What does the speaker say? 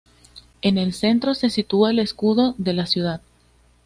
En el centro se sitúa el escudo de la ciudad.